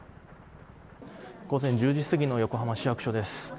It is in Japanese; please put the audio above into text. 午前１０時過ぎの横浜市役所です。